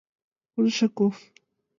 Коншаков!